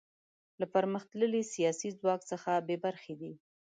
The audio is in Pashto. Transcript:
له پرمختللي سیاسي ځواک څخه بې برخې دي.